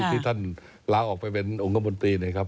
ที่ท่านล้าออกไปเป็นองค์คมนตรี